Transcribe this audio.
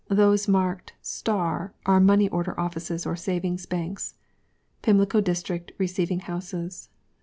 Those marked * are Money Order Offices and Savings Banks. PIMLICO DISTRICT, RECEIVING HOUSES.